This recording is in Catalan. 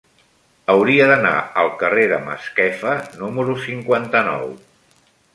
Hauria d'anar al carrer de Masquefa número cinquanta-nou.